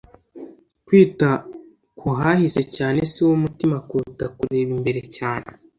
Kwita kuhahise cyane siwo mutima kuruta kureba imbere cyane